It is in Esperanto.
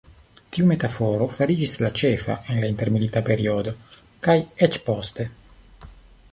Tiu metaforo fariĝis la ĉefa en la intermilita periodo kaj eĉ poste.